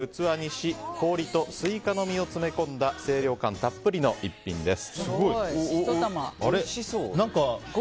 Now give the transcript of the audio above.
スイカはくりぬいて器にし氷とスイカの実を詰め込んだ清涼感たっぷりの一品です。